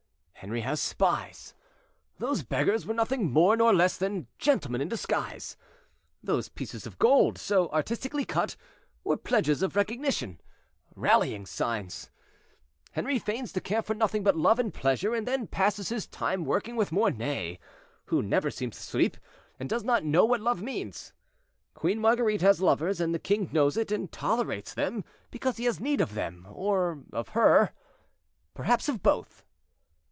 Henri has spies; those beggars were nothing more nor less than gentlemen in disguise. Those pieces of gold, so artistically cut, were pledges of recognition—rallying signs. "Henri feigns to care for nothing but love and pleasure, and then passes his time working with Mornay, who never seems to sleep, and does not know what love means. Queen Marguerite has lovers, and the king knows it, and tolerates them, because he has need of them, or of her—perhaps of both.